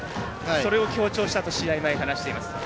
それを強調したと試合前、話しています。